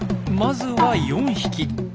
まずは４匹。